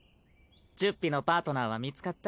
チュッピのパートナーは見つかった？